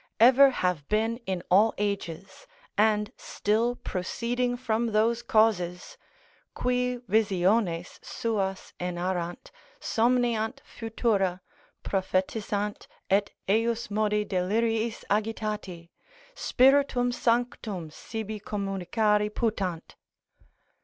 ever have been in all ages, and still proceeding from those causes, qui visiones suas enarrant, somniant futura, prophetisant, et ejusmodi deliriis agitati, Spiritum Sanctum sibi communicari putant.